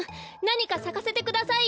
なにかさかせてくださいよ。